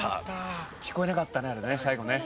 聞こえなかったね